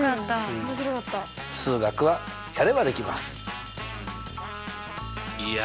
数学はやればできます！